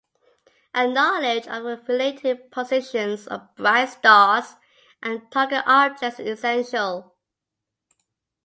A knowledge of the relative positions of bright stars and target objects is essential.